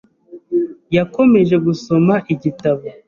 Yakomeje gusoma igitabo .